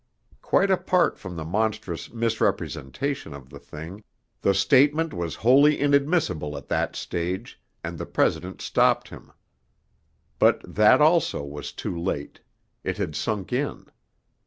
Quite apart from the monstrous misrepresentation of the thing, the statement was wholly inadmissible at that stage, and the President stopped him. But that also was too late. It had sunk in....